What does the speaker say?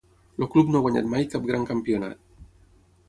El club no ha guanyat mai cap gran campionat.